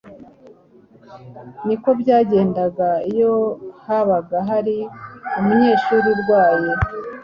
niko byagendaga iyo habaga hari umunyeshuri urwaye.